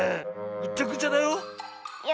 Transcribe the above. ぐちゃぐちゃだよ。